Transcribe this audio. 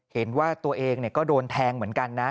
เห็นว่าตัวเองก็โดนแทงเหมือนกันนะ